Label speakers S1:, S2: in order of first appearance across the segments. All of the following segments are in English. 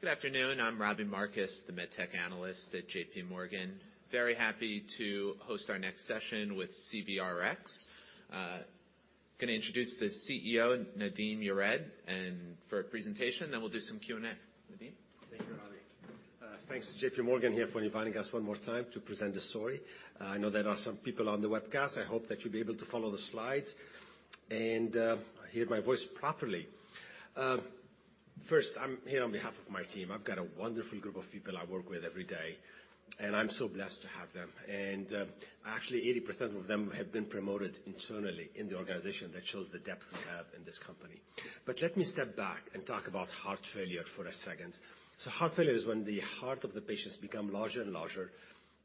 S1: Good afternoon. I'm Robbie Marcus, the Medtech Analyst at JPMorgan. Very happy to host our next session with CVRx. gonna introduce the CEO, Nadim Yared, and for a presentation, then we'll do some Q&A. Nadim?
S2: Thank you, Robbie. Thanks, JPMorgan here for inviting us one more time to present the story. I know there are some people on the webcast. I hope that you'll be able to follow the slides and hear my voice properly. First, I'm here on behalf of my team. I've got a wonderful group of people I work with every day, and I'm so blessed to have them. Actually 80% of them have been promoted internally in the organization. That shows the depth we have in this company. Let me step back and talk about heart failure for a second. Heart failure is when the heart of the patients become larger and larger,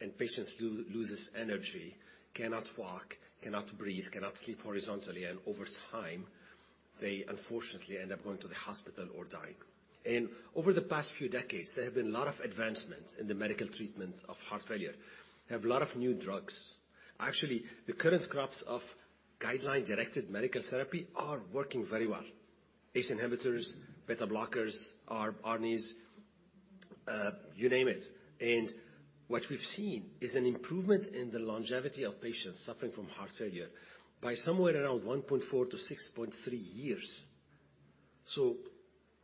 S2: and patients loses energy, cannot walk, cannot breathe, cannot sleep horizontally, and over time, they unfortunately end up going to the hospital or dying. Over the past few decades, there have been a lot of advancements in the medical treatments of heart failure. We have a lot of new drugs. Actually, the current crops of guideline-directed medical therapy are working very well. ACE inhibitors, beta blockers, ARB, ARNI, you name it. What we've seen is an improvement in the longevity of patients suffering from heart failure by somewhere around 1.4 to 6.3 years.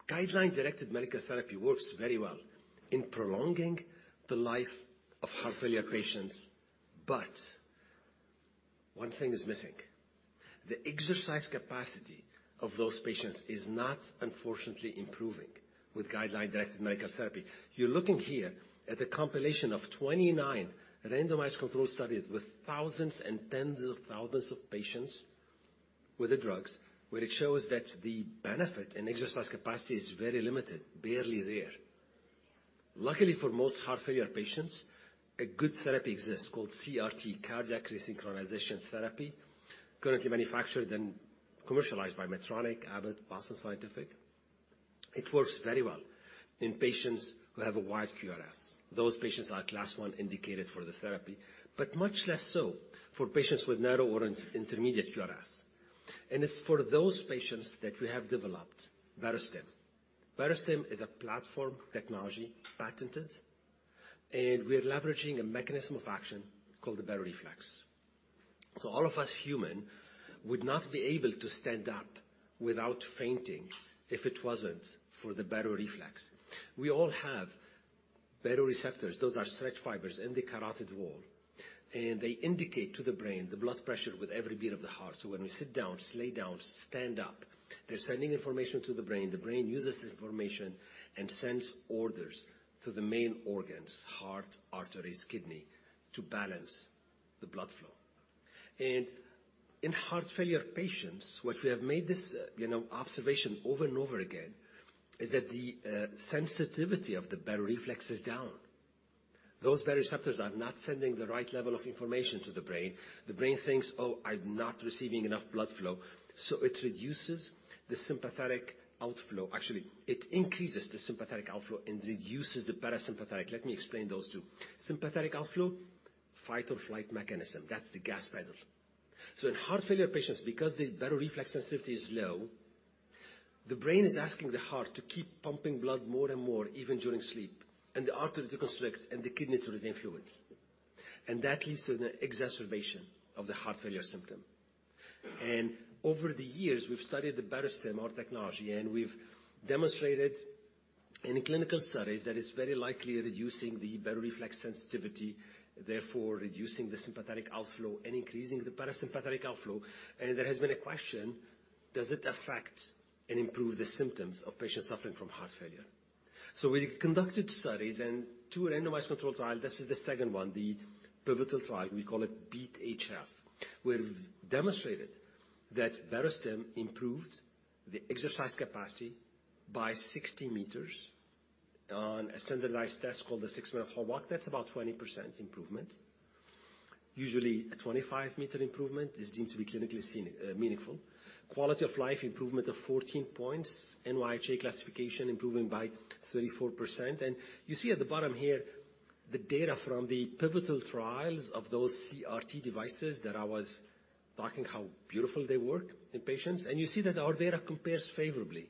S2: Guideline-directed medical therapy works very well in prolonging the life of heart failure patients, but one thing is missing. The exercise capacity of those patients is not unfortunately improving with guideline-directed medical therapy. You're looking here at a compilation of 29 randomized control studies with thousands and tens of thousands of patients with the drugs, where it shows that the benefit in exercise capacity is very limited, barely there. Luckily for most heart failure patients, a good therapy exists called CRT, cardiac resynchronization therapy, currently manufactured and commercialized by Medtronic, Abbott, Boston Scientific. It works very well in patients who have a wide QRS. Those patients are class one indicated for the therapy, but much less so for patients with narrow or intermediate QRS. It's for those patients that we have developed Barostim. Barostim is a platform technology, patented, and we're leveraging a mechanism of action called the baroreflex. All of us human would not be able to stand up without fainting if it wasn't for the baroreflex. We all have baroreceptors. Those are stretch fibers in the carotid wall, and they indicate to the brain the blood pressure with every beat of the heart. When we sit down, just lay down, stand up, they're sending information to the brain. The brain uses this information and sends orders to the main organs, heart, arteries, kidney, to balance the blood flow. In heart failure patients, what we have made this, you know, observation over and over again is that the sensitivity of the baroreflex is down. Those baroreceptors are not sending the right level of information to the brain. The brain thinks, "Oh, I'm not receiving enough blood flow," so it reduces the sympathetic outflow. Actually, it increases the sympathetic outflow and reduces the parasympathetic. Let me explain those two. Sympathetic outflow, fight or flight mechanism. That's the gas pedal. In heart failure patients, because the baroreflex sensitivity is low, the brain is asking the heart to keep pumping blood more and more even during sleep, and the artery constricts and the kidney retains fluids. That leads to the exacerbation of the heart failure symptom. Over the years, we've studied the Barostim, our technology, and we've demonstrated in clinical studies that it's very likely reducing the baroreflex sensitivity, therefore reducing the sympathetic outflow and increasing the parasympathetic outflow. There has been a question, does it affect and improve the symptoms of patients suffering from heart failure? We conducted studies and 2 randomized controlled trial. This is the second one, the pivotal trial. We call it BeAT-HF. We've demonstrated that Barostim improved the exercise capacity by 60 meters on a standardized test called the six-minute walk. That's about 20% improvement. Usually, a 25-meter improvement is deemed to be clinically meaningful. Quality of life improvement of 14 points. NYHA classification improving by 34%. You see at the bottom here the data from the pivotal trials of those CRT devices that I was talking how beautiful they work in patients. You see that our data compares favorably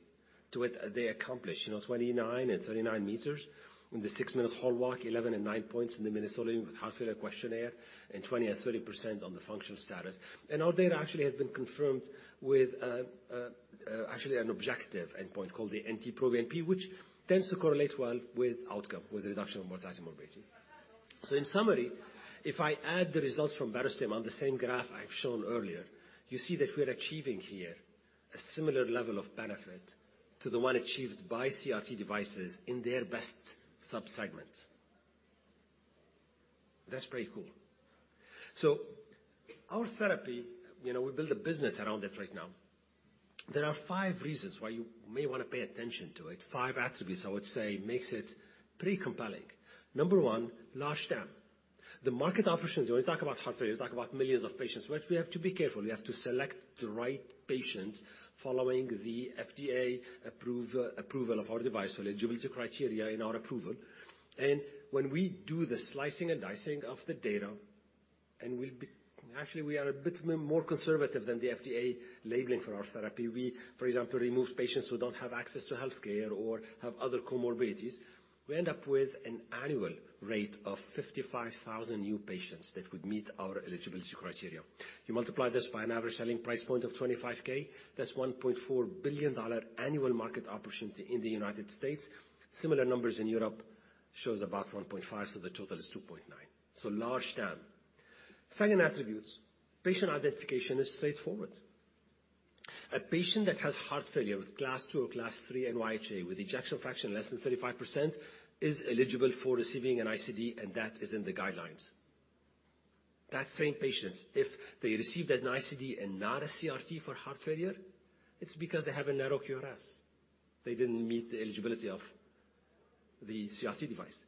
S2: to what they accomplished. You know, 29 and 39 meters in the six-minute walk, 11 and nine points in the Minnesota Living with Heart Failure Questionnaire, 20% and 30% on the functional status. Our data actually has been confirmed with, actually an objective endpoint called the NT-proBNP, which tends to correlate well with outcome, with reduction of mortality and morbidity. In summary, if I add the results from Barostim on the same graph I've shown earlier, you see that we're achieving here a similar level of benefit to the one achieved by CRT devices in their best sub-segments. That's pretty cool. Our therapy, you know, we build a business around it right now. There are five reasons why you may wanna pay attention to it. Five attributes, I would say, makes it pretty compelling. Number one, large TAM. The market opportunity, when we talk about heart failure, we talk about millions of patients. We have to be careful. We have to select the right patient following the FDA approval of our device, so eligibility criteria in our approval. When we do the slicing and dicing of the data. Actually, we are a bit more conservative than the FDA labeling for our therapy. We, for example, remove patients who don't have access to healthcare or have other comorbidities. We end up with an annual rate of 55,000 new patients that would meet our eligibility criteria. You multiply this by an average selling price point of $25K, that's $1.4 billion annual market opportunity in the United States. Similar numbers in Europe shows about $1.5 billion, the total is $2.9 billion. Large TAM. Second attributes, patient identification is straightforward. A patient that has heart failure with class 2 or class 3 NYHA with ejection fraction less than 35% is eligible for receiving an ICD, and that is in the guidelines. That same patient, if they received an ICD and not a CRT for heart failure, it's because they have a narrow QRS. They didn't meet the eligibility of the CRT device.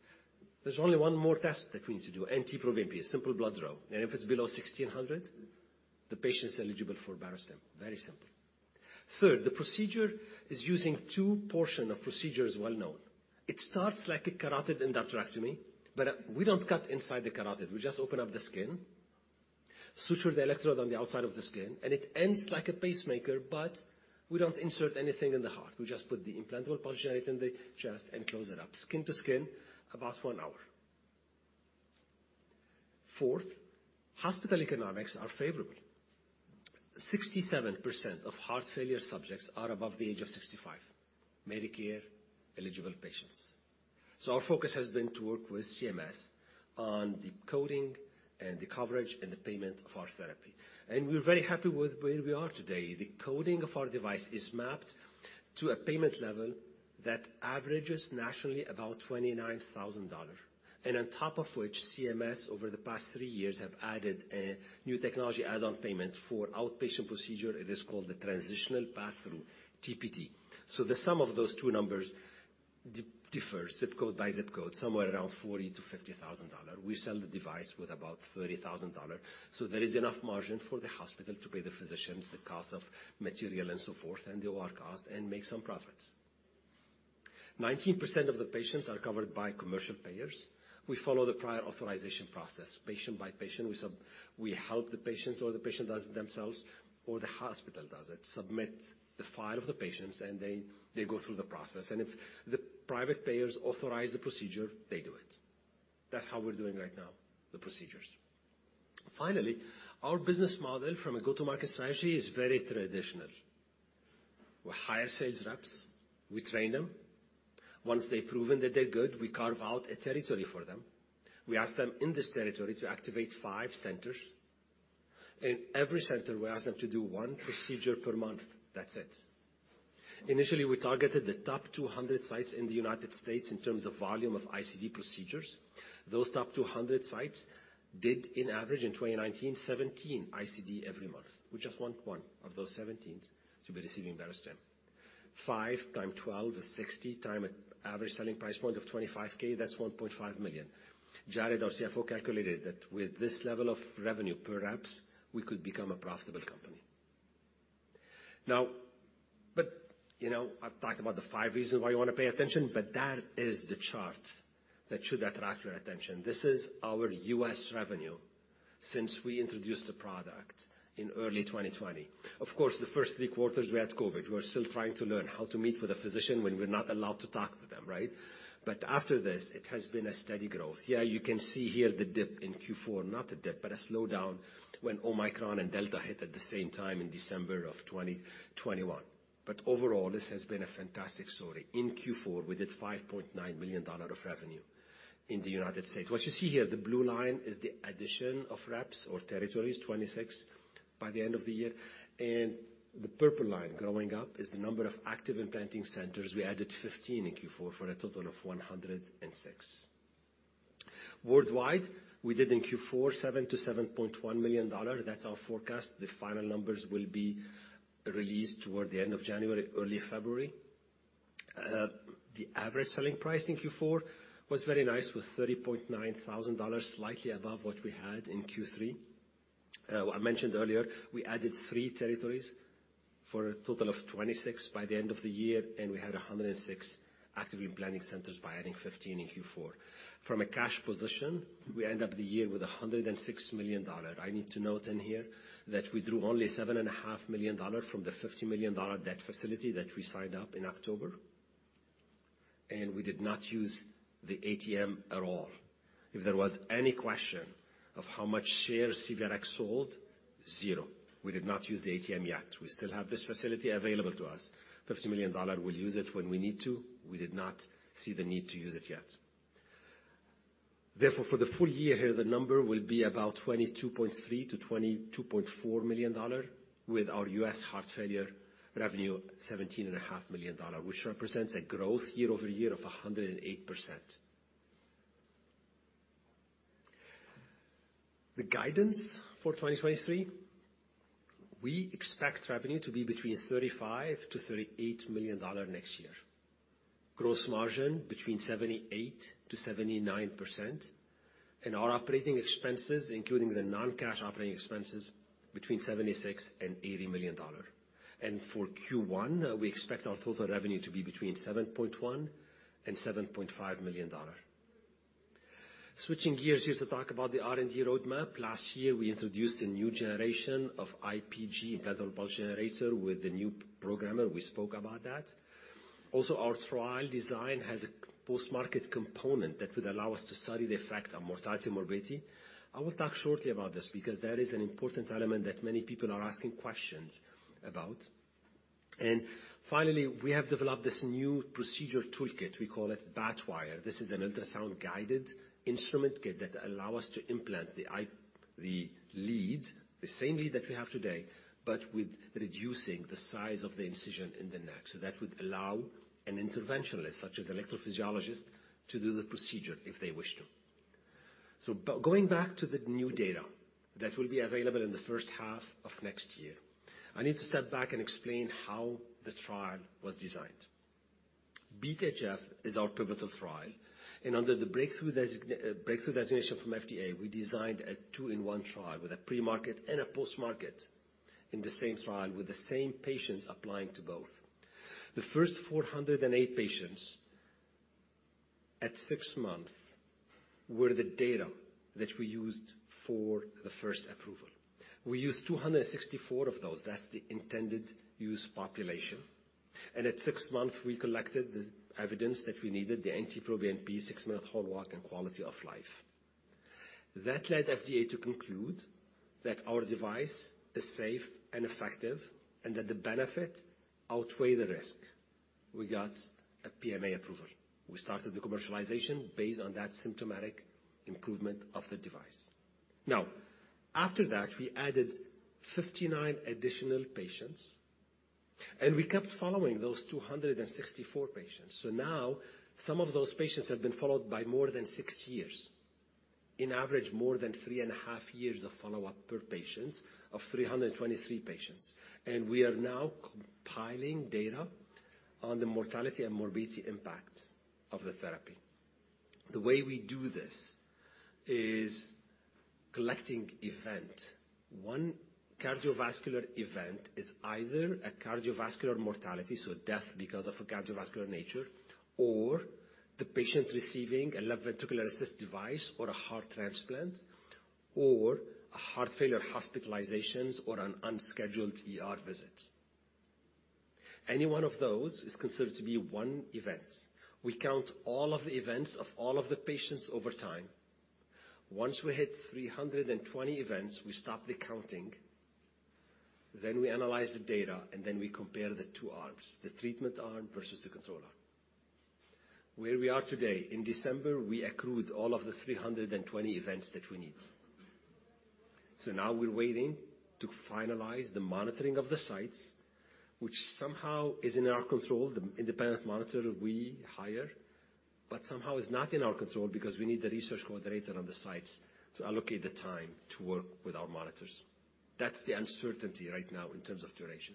S2: There's only one more test that we need to do, NT-proBNP, a simple blood draw. If it's below 1,600, the patient's eligible for Barostim. Very simple. Third, the procedure is using two portion of procedures well-known. It starts like a carotid endarterectomy, but we don't cut inside the carotid. We just open up the skin, suture the electrode on the outside of the skin, and it ends like a pacemaker, but we don't insert anything in the heart. We just put the implantable pulse generator in the chest and close it up. Skin-to-skin, about one hour. Fourth, hospital economics are favorable. 67% of heart failure subjects are above the age of 65, Medicare-eligible patients. Our focus has been to work with CMS on the coding and the coverage and the payment of our therapy. We're very happy with where we are today. The coding of our device is mapped to a payment level that averages nationally about $29,000. On top of which, CMS, over the past three years, have added a new technology add-on payment for outpatient procedure. It is called the Transitional Pass-Through, TPT. The sum of those two numbers differs ZIP code by ZIP code, somewhere around $40,000-$50,000. We sell the device with about $30,000. There is enough margin for the hospital to pay the physicians, the cost of material and so forth, and the OR cost, and make some profits. 19% of the patients are covered by commercial payers. We follow the prior authorization process. Patient by patient, we help the patients, or the patient does it themselves, or the hospital does it. Submit the file of the patients, and they go through the process. If the private payers authorize the procedure, they do it. That's how we're doing right now, the procedures. Finally, our business model from a go-to-market strategy is very traditional. We hire sales reps, we train them. Once they've proven that they're good, we carve out a territory for them. We ask them in this territory to activate five centers. In every center, we ask them to do one procedure per month. That's it. Initially, we targeted the top 200 sites in the United States in terms of volume of ICD procedures. Those top 200 sites did an average in 2019, 17 ICD every month. We just want one of those 17s to be receiving Barostim. 5 times 12 is 60 times an average selling price point of $25K, that's $1.5 million. Jared, our CFO, calculated that with this level of revenue per reps, we could become a profitable company. You know, I've talked about the five reasons why you wanna pay attention, but that is the chart that should attract your attention. This is our U.S. revenue since we introduced the product in early 2020. Of course, the first three quarters we had COVID. We're still trying to learn how to meet with a physician when we're not allowed to talk to them, right? After this, it has been a steady growth. Yeah, you can see here the dip in Q4. Not a dip, but a slowdown when Omicron and Delta hit at the same time in December of 2021. Overall, this has been a fantastic story. In Q4, we did $5.9 million of revenue in the United States. What you see here, the blue line is the addition of reps or territories, 26 by the end of the year. The purple line growing up is the number of active implanting centers. We added 15 in Q4 for a total of 106. Worldwide, we did in Q4 $7 million-$7.1 million. That's our forecast. The final numbers will be released toward the end of January, early February. The average selling price in Q4 was very nice, was $30.9 thousand, slightly above what we had in Q3. I mentioned earlier, we added three territories for a total of 26 by the end of the year. We had 106 active implanting centers by adding 15 in Q4. From a cash position, we end up the year with $106 million. I need to note in here that we drew only $7.5 million from the $50 million debt facility that we signed up in October. We did not use the ATM at all. If there was any question of how much shares CVRx sold, zero. We did not use the ATM yet. We still have this facility available to us. $50 million, we'll use it when we need to. For the full year here, the number will be about $22.3 million-$22.4 million, with our U.S. heart failure revenue 17 and a half million dollars, which represents a growth year-over-year of 108%. The guidance for 2023, we expect revenue to be between $35 million-$38 million next year. Gross margin between 78%-79%. Our operating expenses, including the non-cash operating expenses, between $76 million and $80 million. For Q1, we expect our total revenue to be between $7.1 million and $7.5 million. Switching gears here to talk about the R&D roadmap. Last year, we introduced a new generation of IPG, implantable pulse generator, with the new programmer. We spoke about that. Our trial design has a post-market component that would allow us to study the effect on mortality, morbidity. I will talk shortly about this because that is an important element that many people are asking questions about. We have developed this new procedure toolkit. We call it BATwire. This is an ultrasound-guided instrument kit that allow us to implant the lead, the same lead that we have today, but with reducing the size of the incision in the neck. That would allow an interventionalist, such as electrophysiologist, to do the procedure if they wish to. Going back to the new data that will be available in the 1st half of next year. I need to step back and explain how the trial was designed. BeAT-HF is our pivotal trial. Under the breakthrough designation from FDA, we designed a two-in-one trial with a pre-market and a post-market in the same trial with the same patients applying to both. The first 408 patients at 6 months were the data that we used for the first approval. We used 264 of those. That's the intended use population. At six months, we collected the evidence that we needed, the NT-proBNP, six-minute walk, and quality of life. That led FDA to conclude that our device is safe and effective and that the benefit outweigh the risk. We got a PMA approval. We started the commercialization based on that symptomatic improvement of the device. After that, we added 59 additional patients. We kept following those 264 patients. Now some of those patients have been followed by more than six years. On average, more than three and a half years of follow-up per patient of 323 patients. We are now compiling data on the mortality and morbidity impact of the therapy. The way we do this is collecting event. One cardiovascular event is either a cardiovascular mortality, so death because of a cardiovascular nature, or the patient receiving a left ventricular assist device or a heart transplant or a heart failure hospitalizations or an unscheduled ER visit. Any one of those is considered to be one event. We count all of the events of all of the patients over time. Once we hit 320 events, we stop the counting, then we analyze the data, and then we compare the two arms, the treatment arm versus the control arm. Where we are today. In December, we accrued all of the 320 events that we need. Now we're waiting to finalize the monitoring of the sites, which somehow is in our control, the independent monitor we hire, but somehow is not in our control because we need the research coordinator on the sites to allocate the time to work with our monitors. That's the uncertainty right now in terms of duration.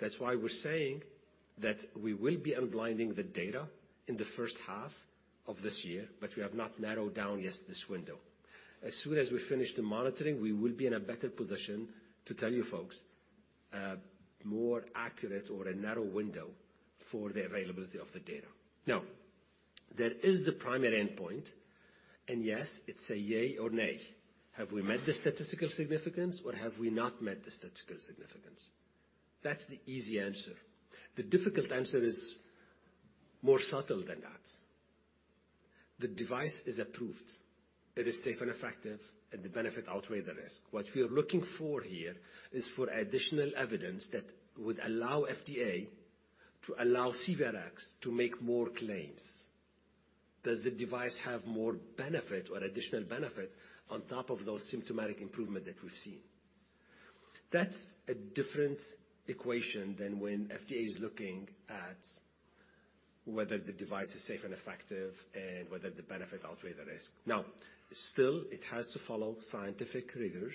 S2: That's why we're saying that we will be unblinding the data in the first half of this year, but we have not narrowed down yet this window. As soon as we finish the monitoring, we will be in a better position to tell you folks a more accurate or a narrow window for the availability of the data. There is the primary endpoint, and yes, it's a yay or nay. Have we met the statistical significance, or have we not met the statistical significance? That's the easy answer. The difficult answer is more subtle than that. The device is approved. It is safe and effective, the benefit outweigh the risk. What we are looking for here is for additional evidence that would allow FDA to allow CVRx to make more claims. Does the device have more benefit or additional benefit on top of those symptomatic improvement that we've seen? That's a different equation than when FDA is looking at whether the device is safe and effective and whether the benefit outweigh the risk. Still, it has to follow scientific rigors,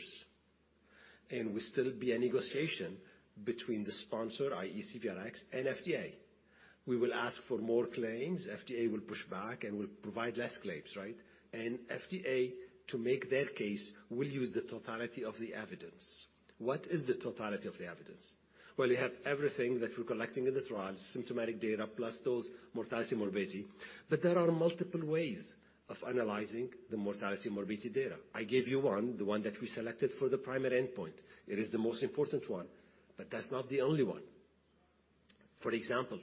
S2: will still be a negotiation between the sponsor, i.e. CVRx, and FDA. We will ask for more claims. FDA will push back, we'll provide less claims, right? FDA, to make their case, will use the totality of the evidence. What is the totality of the evidence? Well, you have everything that we're collecting in the trials, symptomatic data, plus those mortality, morbidity. There are multiple ways of analyzing the mortality, morbidity data. I gave you one, the one that we selected for the primary endpoint. It is the most important one, but that's not the only one. For example,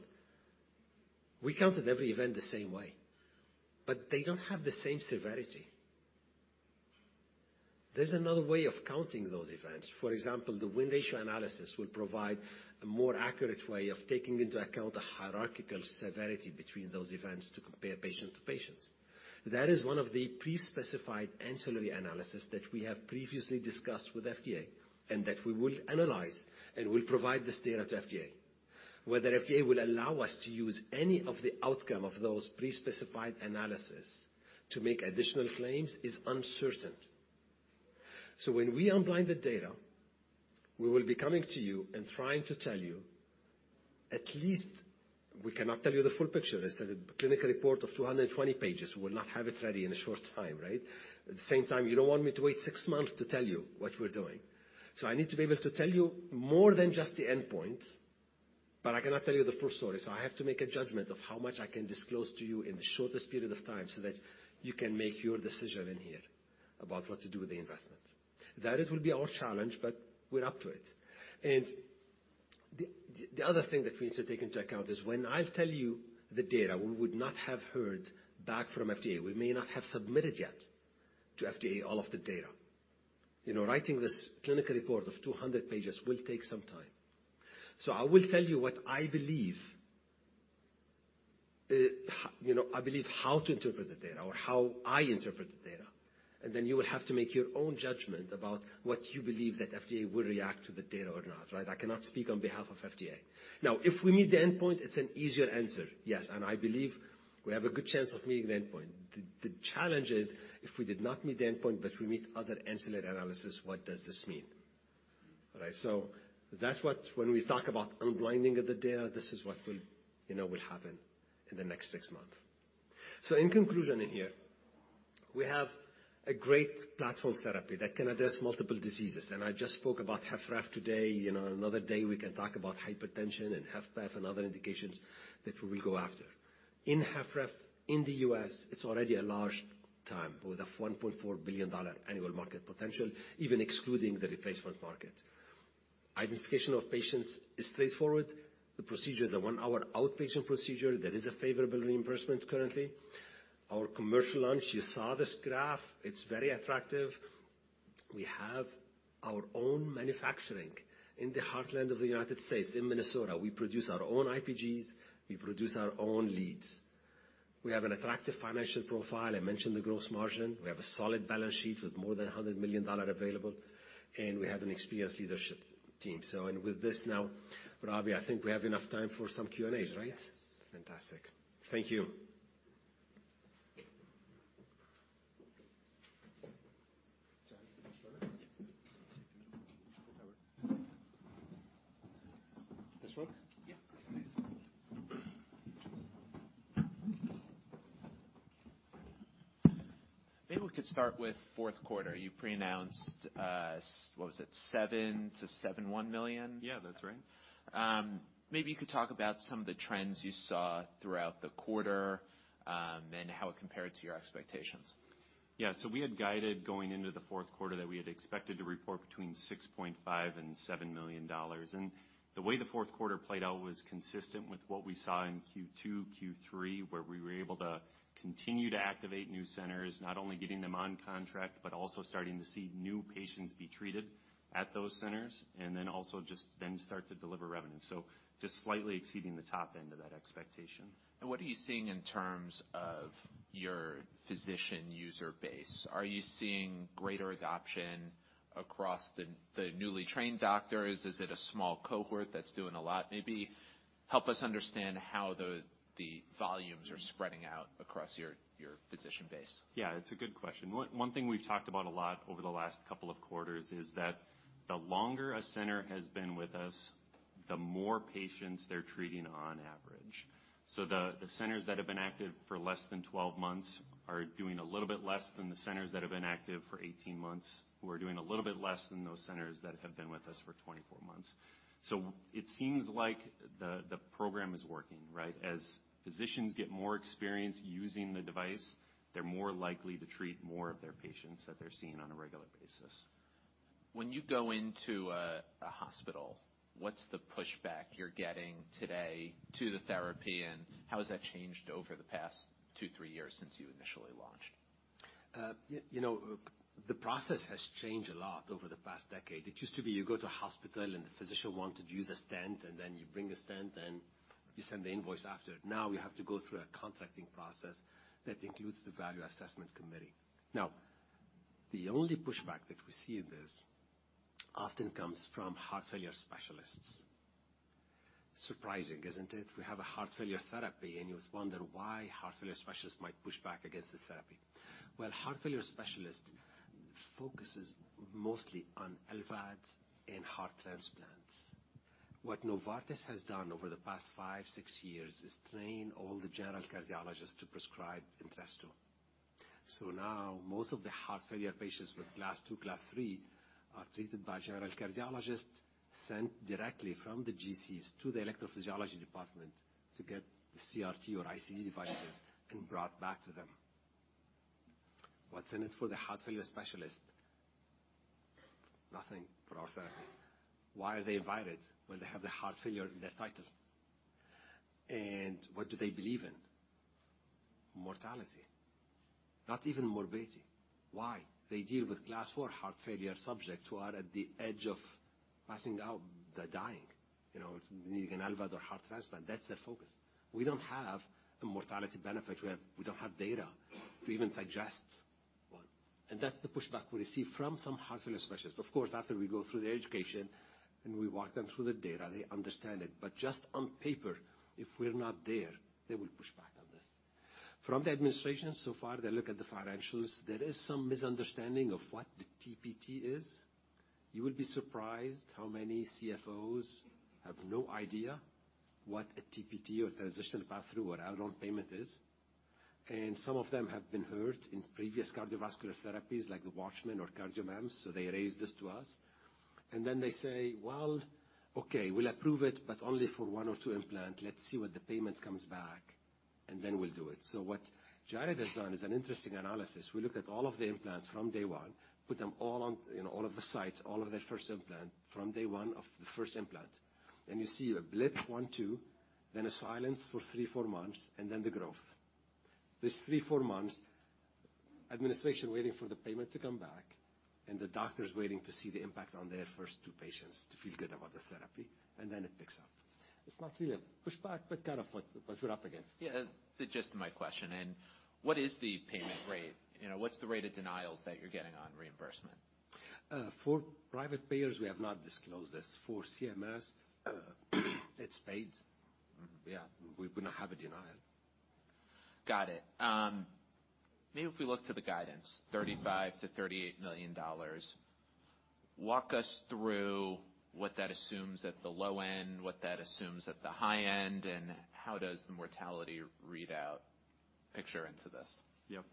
S2: we counted every event the same way, but they don't have the same severity. There's another way of counting those events. For example, the win ratio analysis will provide a more accurate way of taking into account the hierarchical severity between those events to compare patient to patients. That is one of the pre-specified ancillary analysis that we have previously discussed with FDA and that we will analyze and will provide this data to FDA. Whether FDA will allow us to use any of the outcome of those pre-specified analysis to make additional claims is uncertain. When we unblind the data, we will be coming to you and trying to tell you, at least we cannot tell you the full picture. Instead of clinical report of 220 pages, we will not have it ready in a short time, right? At the same time, you don't want me to wait six months to tell you what we're doing. I need to be able to tell you more than just the endpoint, but I cannot tell you the full story. I have to make a judgment of how much I can disclose to you in the shortest period of time, so that you can make your decision in here about what to do with the investment. That will be our challenge, but we're up to it. The other thing that we need to take into account is when I'll tell you the data, we would not have heard back from FDA. We may not have submitted yet to FDA all of the data. You know, writing this clinical report of 200 pages will take some time. I will tell you what I believe. You know, I believe how to interpret the data or how I interpret the data. Then you will have to make your own judgment about what you believe that FDA will react to the data or not, right? I cannot speak on behalf of FDA. If we meet the endpoint, it's an easier answer. Yes. I believe we have a good chance of meeting the endpoint. The challenge is if we did not meet the endpoint, but we meet other ancillary analysis, what does this mean? All right. That's what when we talk about unblinding of the data, this is what will, you know, happen in the next six months. In conclusion in here, we have a great platform therapy that can address multiple diseases. I just spoke about HFpEF today. You know, another day we can talk about hypertension and HFpEF and other indications that we will go after. In HFpEF in the U.S., it's already a large TAM with a $1.4 billion annual market potential, even excluding the replacement market. Identification of patients is straightforward. The procedure is a one-hour outpatient procedure. There is a favorable reimbursement currently. Our commercial launch, you saw this graph. It's very attractive. We have our own manufacturing in the heartland of the United States. In Minnesota, we produce our own IPGs, we produce our own leads. We have an attractive financial profile. I mentioned the gross margin. We have a solid balance sheet with more than $100 million available. We have an experienced leadership team. With this now, Robbie, I think we have enough time for some Q&As, right?
S3: Yes.
S1: Fantastic. Thank you. This one? Yeah. Please. Maybe we could start with fourth quarter. You pre-announced, what was it? $7 million-$7.1 million.
S3: Yeah, that's right.
S1: Maybe you could talk about some of the trends you saw throughout the quarter, and how it compared to your expectations.
S3: Yeah. We had guided going into the fourth quarter that we had expected to report between $6.5 million and $7 million. The way the fourth quarter played out was consistent with what we saw in Q2, Q3, where we were able to continue to activate new centers, not only getting them on contract, but also starting to see new patients be treated at those centers, and then also just then start to deliver revenue. Just slightly exceeding the top end of that expectation.
S1: What are you seeing in terms of your physician user base? Are you seeing greater adoption across the newly trained doctors? Is it a small cohort that's doing a lot? Maybe help us understand how the volumes are spreading out across your physician base.
S3: Yeah, it's a good question. One thing we've talked about a lot over the last couple of quarters is that the longer a center has been with us, the more patients they're treating on average. The centers that have been active for less than 12 months are doing a little bit less than the centers that have been active for 18 months. We're doing a little bit less than those centers that have been with us for 24 months. It seems like the program is working, right? As physicians get more experience using the device, they're more likely to treat more of their patients that they're seeing on a regular basis.
S1: When you go into a hospital, what's the pushback you're getting today to the therapy, and how has that changed over the past two, three years since you initially launched?
S2: You know, the process has changed a lot over the past decade. It used to be you go to a hospital and the physician wanted to use a stent, and then you bring a stent and you send the invoice after. Now we have to go through a contracting process that includes the value assessment committee. The only pushback that we see in this often comes from heart failure specialists. Surprising, isn't it? We have a heart failure therapy and you wonder why heart failure specialists might push back against the therapy. Well, heart failure specialist focuses mostly on LVADs and heart transplants. What Novartis has done over the past five, six years is train all the general cardiologists to prescribe Entresto. Now most of the heart failure patients with class two, class three are treated by general cardiologists, sent directly from the GCs to the electrophysiology department to get the CRT or ICD devices and brought back to them. What's in it for the heart failure specialist? Nothing for our therapy. Why are they invited when they have the heart failure in their title? What do they believe in? Mortality. Not even morbidity. Why? They deal with class four heart failure subjects who are at the edge of passing out. They're dying. You know, needing an LVAD or heart transplant. That's their focus. We don't have a mortality benefit. We don't have data to even suggest one. That's the pushback we receive from some heart failure specialists. Of course, after we go through their education and we walk them through the data, they understand it. Just on paper, if we're not there, they will push back on us. From the administration so far, they look at the financials. There is some misunderstanding of what the TPT is. You will be surprised how many CFOs have no idea what a TPT or Transitional Pass-Through or add-on payment is. Some of them have been hurt in previous cardiovascular therapies like the WATCHMAN or CardioMEMS, so they raise this to us. They say, "Well, okay, we'll approve it, but only for one or two implant. Let's see what the payment comes back, and then we'll do it." What Jared has done is an interesting analysis. We looked at all of the implants from day one, put them all on, in all of the sites, all of their first implant from day one of the first implant. You see a blip one, two, then a silence for three, four months, and then the growth. This three, four months, administration waiting for the payment to come back, and the doctor's waiting to see the impact on their first two patients to feel good about the therapy, and then it picks up. It's not really a pushback, but kind of what we're up against.
S1: Yeah. The gist of my question, what is the payment rate? You know, what's the rate of denials that you're getting on reimbursement?
S2: For private payers, we have not disclosed this. For CMS, it's paid.
S1: Mm-hmm.
S2: Yeah. We wouldn't have a denial.
S1: Got it. Maybe if we look to the guidance, $35 million-$38 million. Walk us through what that assumes at the low end, what that assumes at the high end, how does the mortality readout picture into this?
S3: Yep.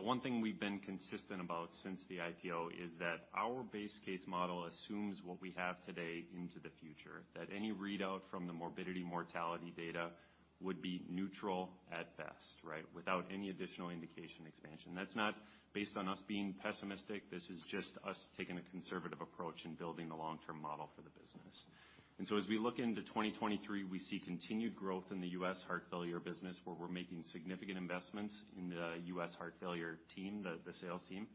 S3: One thing we've been consistent about since the IPO is that our base case model assumes what we have today into the future, that any readout from the morbidity mortality data would be neutral at best, right? Without any additional indication expansion. That's not based on us being pessimistic. This is just us taking a conservative approach in building the long-term model for the business. As we look into 2023, we see continued growth in the US heart failure business, where we're making significant investments in the US heart failure team, the sales team.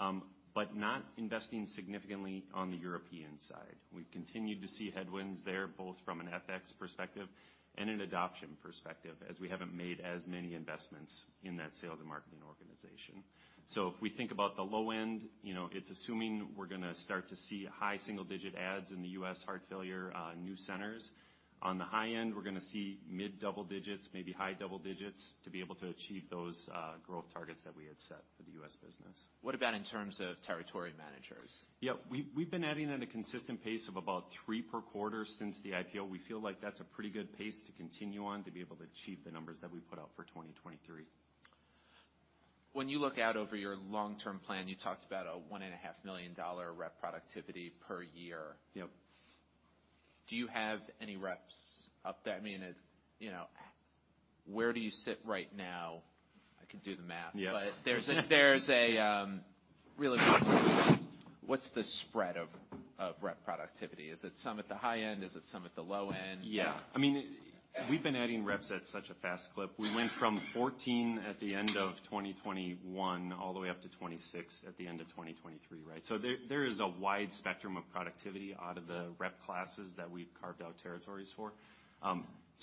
S3: Not investing significantly on the European side. We've continued to see headwinds there, both from an FX perspective and an adoption perspective, as we haven't made as many investments in that sales and marketing organization. If we think about the low end, you know, it's assuming we're gonna start to see high single-digit adds in the U.S. heart failure, new centers. On the high end, we're gonna see mid double digits, maybe high double digits, to be able to achieve those growth targets that we had set for the U.S. business.
S1: What about in terms of territory managers?
S3: Yeah. We've been adding at a consistent pace of about three per quarter since the IPO. We feel like that's a pretty good pace to continue on to be able to achieve the numbers that we put out for 2023.
S1: When you look out over your long-term plan, you talked about a one and a half million dollar rep productivity per year.
S3: Yep.
S1: Do you have any reps up that... I mean, you know, where do you sit right now? I could do the math.
S3: Yeah.
S1: What's the spread of rep productivity? Is it some at the high end? Is it some at the low end?
S3: I mean, we've been adding reps at such a fast clip. We went from 14 at the end of 2021 all the way up to 26 at the end of 2023, right? There is a wide spectrum of productivity out of the rep classes that we've carved out territories for.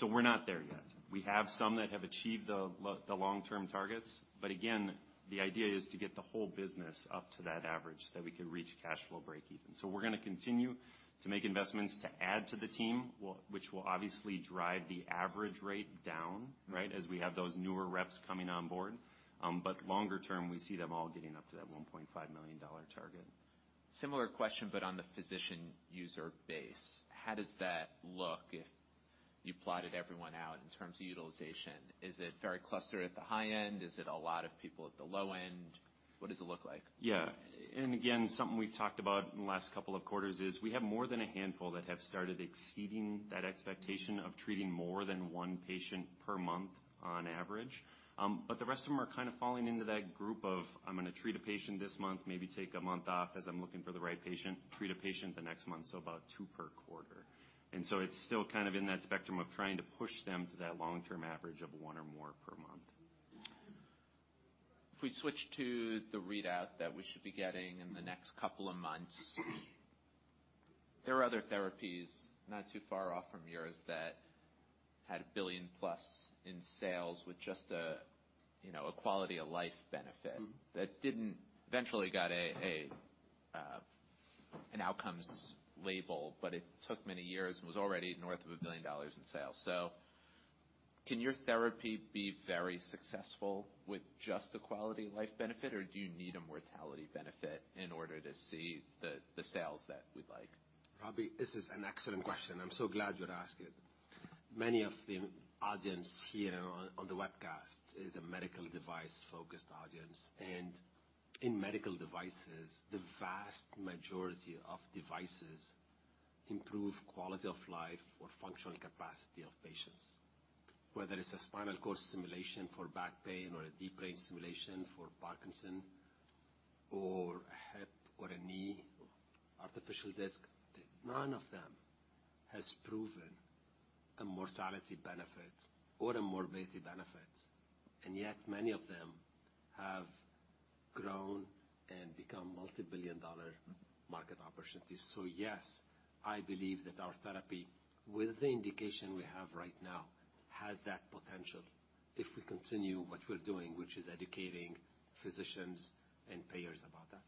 S3: We're not there yet. We have some that have achieved the long-term targets, but again, the idea is to get the whole business up to that average that we could reach cash flow breakeven. We're gonna continue to make investments to add to the team, which will obviously drive the average rate down, right, as we have those newer reps coming on board. Longer term, we see them all getting up to that $1.5 million target.
S1: Similar question, but on the physician user base. How does that look if you plotted everyone out in terms of utilization? Is it very clustered at the high end? Is it a lot of people at the low end? What does it look like?
S3: Yeah. Again, something we've talked about in the last couple of quarters is we have more than a handful that have started exceeding that expectation of treating more than one patient per month on average. But the rest of them are kind of falling into that group of, I'm gonna treat a patient this month, maybe take a month off as I'm looking for the right patient, treat a patient the next month, so about two per quarter. It's still kind of in that spectrum of trying to push them to that long-term average of one or more per month.
S1: If we switch to the readout that we should be getting in the next couple of months, there are other therapies not too far off from yours that had $1 billion plus in sales with just a, you know, a quality-of-life benefit...
S3: Mm-hmm.
S1: that didn't. Eventually got a, an outcomes label, but it took many years and was already north of $1 billion in sales. Can your therapy be very successful with just the quality of life benefit, or do you need a mortality benefit in order to see the sales that we'd like?
S2: Robbie, this is an excellent question. I'm so glad you'd ask it. Many of the audience here on the webcast is a medical device-focused audience. In medical devices, the vast majority of devices improve quality of life or functional capacity of patients. Whether it's a spinal cord stimulation for back pain or a deep brain stimulation for Parkinson or a hip or a knee, artificial disc, none of them has proven a mortality benefit or a morbidity benefit. Yet many of them have grown and become multi-billion dollar market opportunities. Yes, I believe that our therapy, with the indication we have right now, has that potential if we continue what we're doing, which is educating physicians and payers about that.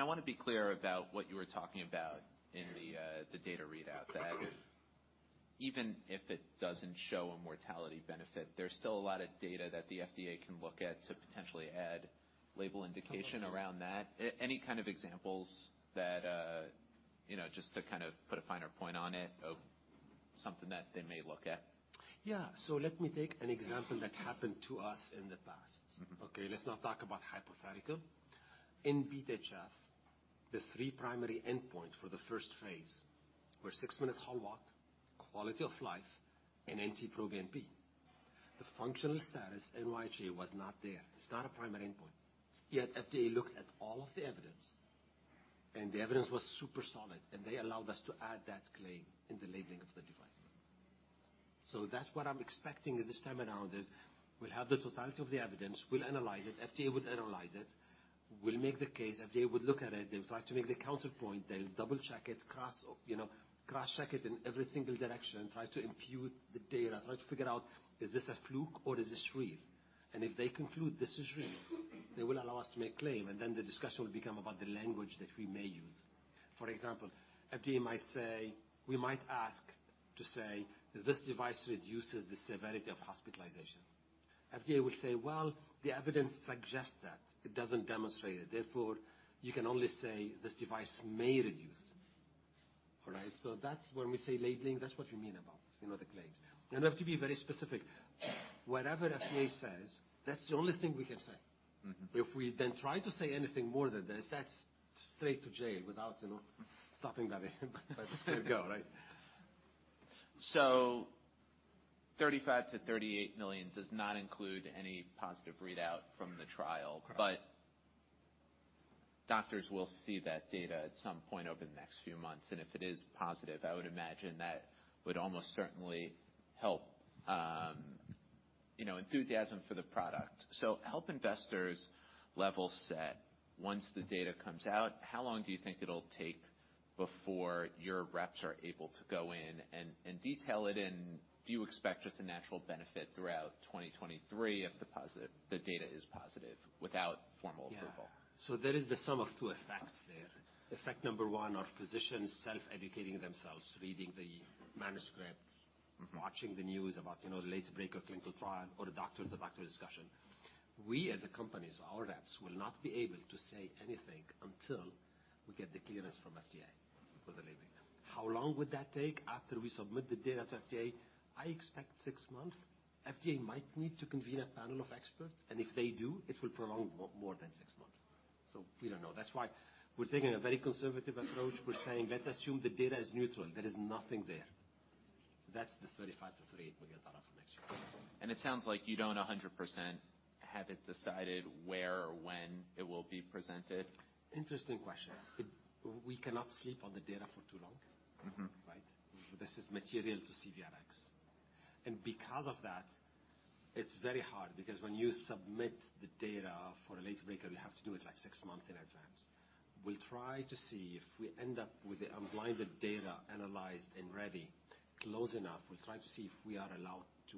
S1: I wanna be clear about what you were talking about in the data readout. That even if it doesn't show a mortality benefit, there's still a lot of data that the FDA can look at to potentially add label indication around that. Any kind of examples that, you know, just to kind of put a finer point on it of something that they may look at?
S2: Yeah. Let me take an example that happened to us in the past.
S1: Mm-hmm.
S2: Okay? Let's not talk about hypothetical. In BeAT-HF, the three primary endpoint for the first phase were six-minutes hall walk, quality of life, and NT-proBNP. The functional status, NYHA, was not there. It's not a primary endpoint. FDA looked at all of the evidence, the evidence was super solid, they allowed us to add that claim in the labeling of the device. That's what I'm expecting this time around, is we'll have the totality of the evidence, we'll analyze it, FDA would analyze it. We'll make the case, FDA would look at it. They will try to make the counter point. They'll double-check it, you know, crosscheck it in every single direction, try to impute the data, try to figure out, is this a fluke or is this real? If they conclude this is real, they will allow us to make claim, and then the discussion will become about the language that we may use. For example, FDA might say. We might ask to say, "This device reduces the severity of hospitalization." FDA will say, "Well, the evidence suggests that. It doesn't demonstrate it. Therefore, you can only say this device may reduce." All right? That's when we say labeling, that's what we mean about, you know, the claims. We have to be very specific. Whatever FDA says, that's the only thing we can say.
S1: Mm-hmm.
S2: If we then try to say anything more than this, that's straight to jail without, you know, stopping by.
S1: That's it.
S2: Go, right?
S1: $35 million-$38 million does not include any positive readout from the trial.
S2: Correct.
S1: Doctors will see that data at some point over the next few months. If it is positive, I would imagine that would almost certainly help, you know, enthusiasm for the product. Help investors level set. Once the data comes out, how long do you think it'll take before your reps are able to go in and detail it? Do you expect just a natural benefit throughout 2023 if the data is positive without formal approval?
S2: Yeah. There is the sum of two effects there. Effect number one are physicians self-educating themselves, reading the manuscripts.
S1: Mm-hmm.
S2: -watching the news about, you know, the late breaker clinical trial or the doctor, the doctor discussion. We as a company, so our reps, will not be able to say anything until we get the clearance from FDA for the labeling. How long would that take after we submit the data to FDA? I expect six months. FDA might need to convene a panel of experts, and if they do, it will prolong more than six months. We don't know. That's why we're taking a very conservative approach. We're saying, "Let's assume the data is neutral. There is nothing there." That's the $35 million-$38 million information.
S1: It sounds like you don't 100% have it decided where or when it will be presented.
S2: Interesting question. We cannot sleep on the data for too long.
S1: Mm-hmm.
S2: Right? This is material to CVRx. Because of that, it's very hard because when you submit the data for a late breaker, you have to do it like six months in advance. We'll try to see if we end up with the unblinded data analyzed and ready close enough. We'll try to see if we are allowed to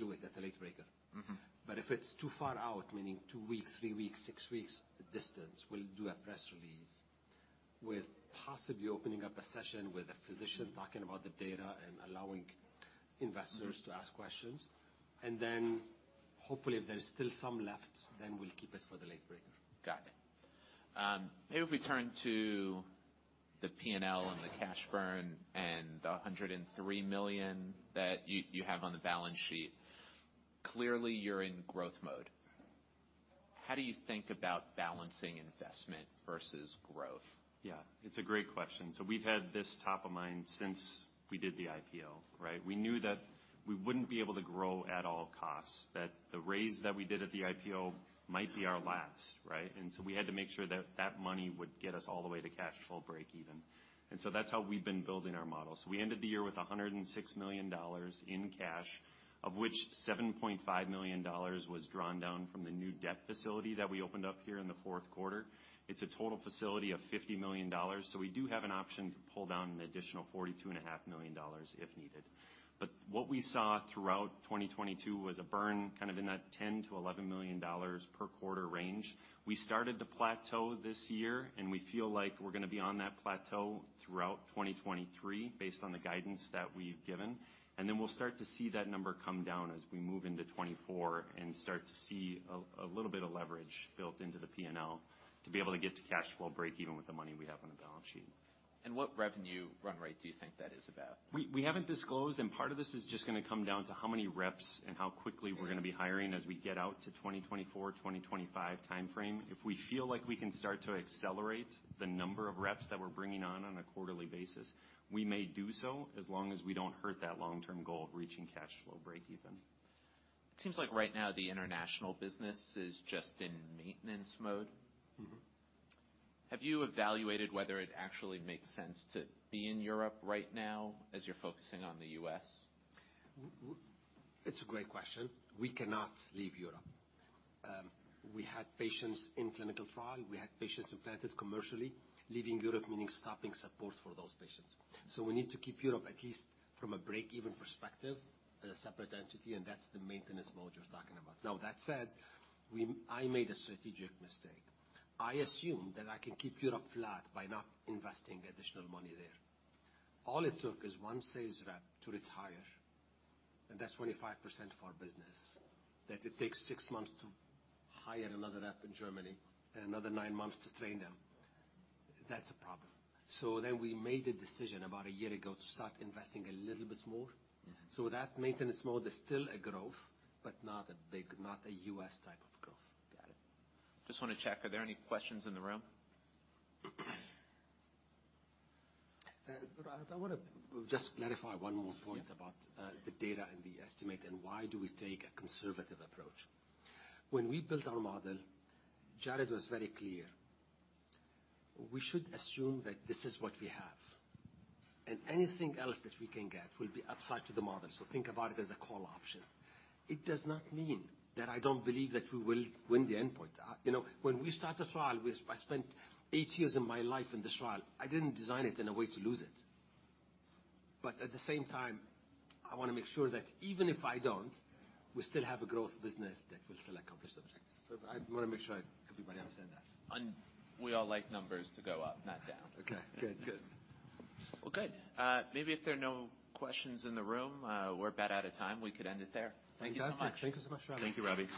S2: do it at a late breaker.
S1: Mm-hmm.
S2: If it's too far out, meaning two weeks, three weeks, six weeks distance, we'll do a press release with possibly opening up a session with a physician talking about the data and allowing investors to ask questions. Hopefully, if there's still some left, then we'll keep it for the late breaker.
S1: Got it. maybe if we turn to the P&L and the cash burn and the $103 million that you have on the balance sheet. Clearly, you're in growth mode. How do you think about balancing investment versus growth?
S3: Yeah. It's a great question. We've had this top of mind since we did the IPO, right? We knew that we wouldn't be able to grow at all costs, that the raise that we did at the IPO might be our last, right? We had to make sure that that money would get us all the way to cash flow break even. That's how we've been building our model. We ended the year with $106 million in cash, of which $7.5 million was drawn down from the new debt facility that we opened up here in the fourth quarter. It's a total facility of $50 million, so we do have an option to pull down an additional forty-two and a half million dollars if needed. What we saw throughout 2022 was a burn, kind of in that $10 million-$11 million per quarter range. We started to plateau this year, and we feel like we're gonna be on that plateau throughout 2023 based on the guidance that we've given. Then we'll start to see that number come down as we move into 2024 and start to see a little bit of leverage built into the P&L to be able to get to cash flow break even with the money we have on the balance sheet.
S1: What revenue run rate do you think that is about?
S3: We haven't disclosed. Part of this is just gonna come down to how many reps and how quickly we're gonna be hiring as we get out to 2024, 2025 timeframe. If we feel like we can start to accelerate the number of reps that we're bringing on on a quarterly basis, we may do so, as long as we don't hurt that long-term goal of reaching cash flow breakeven.
S1: It seems like right now the international business is just in maintenance mode.
S3: Mm-hmm.
S1: Have you evaluated whether it actually makes sense to be in Europe right now as you're focusing on the US?
S2: It's a great question. We cannot leave Europe. We had patients in clinical trial. We had patients implanted commercially. Leaving Europe, meaning stopping support for those patients. We need to keep Europe, at least from a break-even perspective, as a separate entity, and that's the maintenance mode you're talking about. That said, I made a strategic mistake. I assumed that I can keep Europe flat by not investing additional money there. All it took is one sales rep to retire, and that's 25% of our business, that it takes six months to hire another rep in Germany and another nine months to train them. That's a problem. We made a decision about a year ago to start investing a little bit more.
S1: Mm-hmm.
S2: That maintenance mode is still a growth, but not a big, not a U.S. type of growth.
S1: Got it. Just wanna check, are there any questions in the room?
S2: Rob, I wanna just clarify one more point.
S1: Yeah.
S2: about the data and the estimate and why do we take a conservative approach. When we built our model, Jared was very clear. We should assume that this is what we have, and anything else that we can get will be upside to the model. Think about it as a call option. It does not mean that I don't believe that we will win the endpoint. you know, when we start the trial, I spent eight years of my life in this trial. I didn't design it in a way to lose it. At the same time, I wanna make sure that even if I don't, we still have a growth business that will still accomplish the objectives. I wanna make sure everybody understand that.
S1: We all like numbers to go up, not down.
S2: Okay. Good. Good.
S1: Well, good. Maybe if there are no questions in the room, we're about out of time. We could end it there. Thank you so much.
S2: Fantastic. Thank you so much, Rob.
S3: Thank you, Robbie.